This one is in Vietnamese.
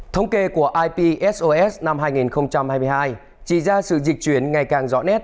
thống kê của ipsos năm hai nghìn hai mươi hai chỉ ra sự dịch chuyển ngày càng rõ nét